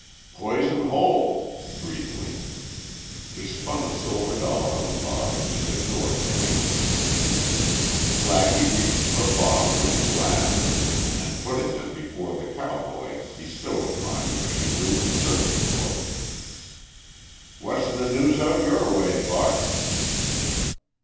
"Poison Hole," briefly. He spun a silver dollar on the bar and ignored the hand. Blackie reached for bottle and glass, and putting them before the cowboy bestowed upon him a shrewd, searching look. "What's the news out your way, Buck?"